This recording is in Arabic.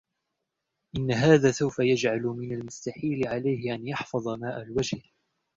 إن هذا سوف يجعل من المستحيل عليه أن يحفظ ماء الوجه.